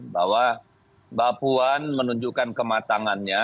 bahwa mbak puan menunjukkan kematangannya